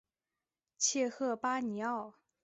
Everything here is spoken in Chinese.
切赫巴尼奥。